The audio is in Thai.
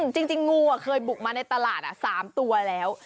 จริงงูเคยบุกมาในตลาด๓ตัวแล้ว